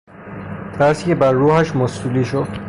ترسی که بر روحش مستولی شد